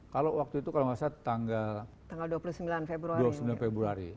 kalau waktu itu kalau nggak salah tanggal dua puluh sembilan februari